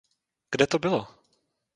Kde to bylo?